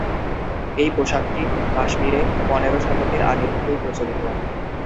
এই পোশাকটি কাশ্মীরে পনেরো শতকের আগে থেকেই প্রচলিত ছিল।